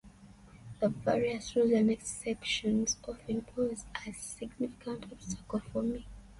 The various rules and exceptions often pose a significant obstacle for me.